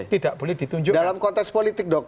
tidak boleh ditunjukkan dalam konteks politik